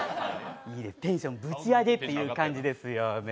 テンションぶち上げっていう感じですよね。